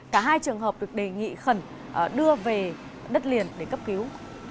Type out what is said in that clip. cả hai trường hợp được đề nghị khẩn đưa về đất liền để cấp cứu